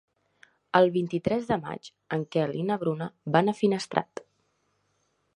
El vint-i-tres de maig en Quel i na Bruna van a Finestrat.